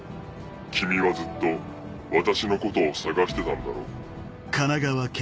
君はずっと私のことを捜してたんだろ？